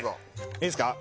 いいですか？